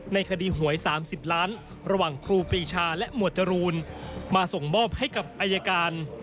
ในคดีหวย๓๐ล้านระหว่างครูปรีชาและหมวดจรูนมาส่งมอบให้กับอายการ